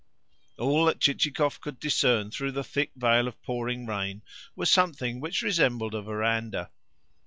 All that Chichikov could discern through the thick veil of pouring rain was something which resembled a verandah.